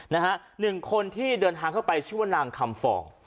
หนึ่งคนที่เดินทางเข้าไปชื่อว่านางคำฟอง